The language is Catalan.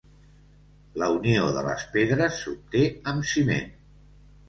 La unió de les pedres s'obté amb ciment.